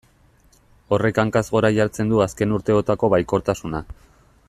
Horrek hankaz gora jartzen du azken urteotako baikortasuna.